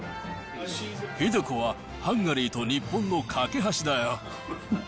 英子はハンガリーと日本の懸け橋だよ。